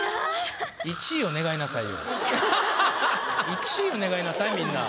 １位を願いなさいみんな。